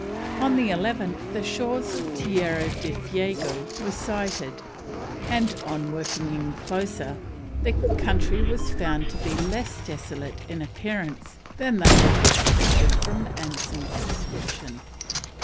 On the 11th the shores of Tierra del Fuego were sighted, and on working in closer, the country was found to be less desolate in appearance than they had expected from Anson's description.